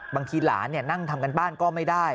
บางทีหลานนั่งทำการบ้านก็ไม่ได้